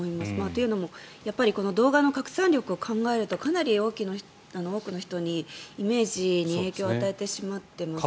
というのも動画の拡散力を考えるとかなり多くの人のイメージに影響を与えてしまっていますよね。